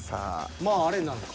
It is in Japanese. まああれになるのか。